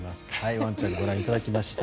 ワンちゃんご覧いただきました。